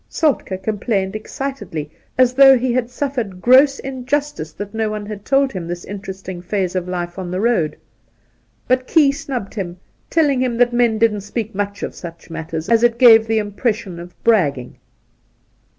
Soltk^ complained excitedly, and as though he had suffered gross injustice, that no one had told him this interesting phase of life on the road ; but Key snubbed hiin, telling him that men didn't speak much of such matters, as it gave the im pression of bragging.